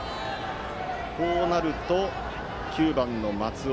こうなると９番の松尾。